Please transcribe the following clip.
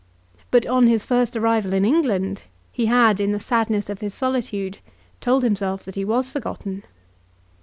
But on his first arrival in England he had, in the sadness of his solitude, told himself that he was forgotten.